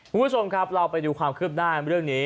คุณผู้ชมครับเราไปดูความคืบหน้าเรื่องนี้